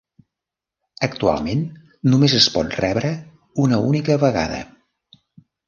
Actualment només es pot rebre una única vegada.